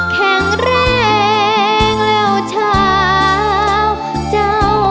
แข็งแรงเร็วเช้า